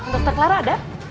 dokter clara ada